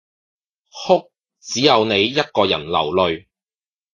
哭，只有你一個人流淚